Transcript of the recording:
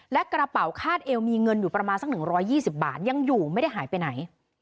และกระเป๋าคาดเอวมีเงินอยู่ประมาณสัก๑๒๐บาทยังอยู่ไม่ได้หายไปไหน